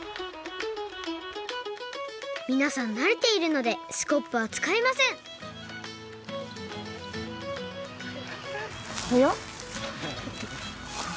みなさんなれているのでスコップはつかいませんはやっ！